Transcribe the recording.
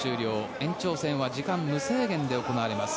延長戦は時間無制限で行われます。